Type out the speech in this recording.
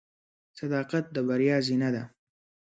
• صداقت د بریا زینه ده.